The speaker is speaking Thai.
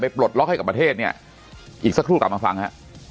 ปลดล็อกให้กับประเทศเนี่ยอีกสักครู่กลับมาฟังฮะ